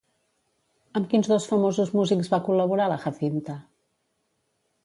Amb quins dos famosos músics va col·laborar la Jacinta?